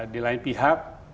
di lain pihak